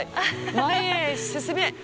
前へ、進め！